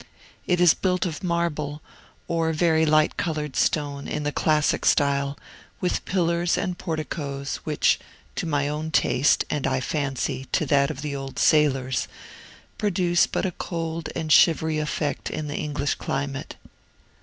It is built of marble, or very light colored stone, in the classic style, with pillars and porticos, which (to my own taste, and, I fancy, to that of the old sailors) produce but a cold and shivery effect in the English climate.